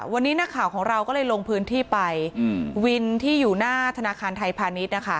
วันนี้นักข่าวของเราก็เลยลงพื้นที่ไปวินที่อยู่หน้าธนาคารไทยพาณิชย์นะคะ